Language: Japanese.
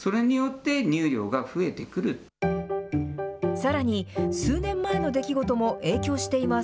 さらに、数年前の出来事も影響しています。